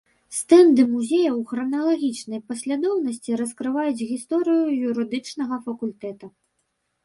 Стэнды музея ў храналагічнай паслядоўнасці раскрываюць гісторыю юрыдычнага факультэта.